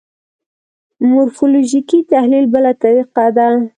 مورفولوژیکي تحلیل بله طریقه ده.